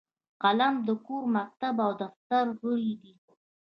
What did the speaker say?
قلم د کور، مکتب او دفتر غړی دی